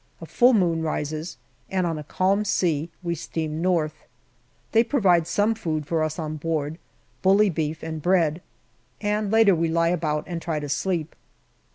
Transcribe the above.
A full moon rises, and on a calm sea we steam north. They provide some food for us on board, bully beef and bread, and later we lie about and try to sleep.